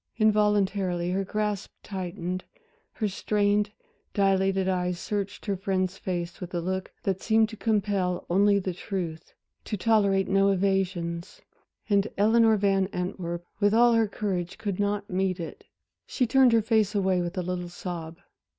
Involuntarily her grasp tightened, her strained, dilated eyes searched her friend's face with a look that seemed to compel only the truth to tolerate no evasions. And Eleanor Van Antwerp, with all her courage, could not meet it. She turned her face away with a little sob.